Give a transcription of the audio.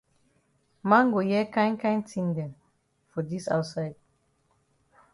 Man go hear kind kind tin dem for di outside.